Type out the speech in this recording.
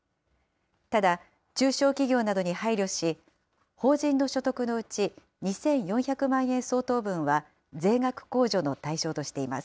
ただ、中小企業などに配慮し、法人の所得のうち２４００万円相当分は税額控除の対象としています。